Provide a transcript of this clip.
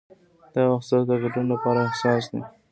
دا وخت ستاسو د ګډون لپاره حساس دی.